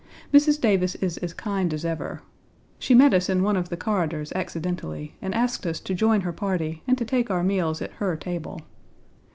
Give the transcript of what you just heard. Mrs. Davis is as kind as ever. She met us in one of the corridors accidentally, and asked us to join her party and to take our meals at her table.